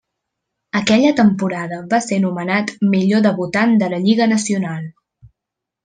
Aquella temporada va ser nomenat millor debutant de la Lliga Nacional.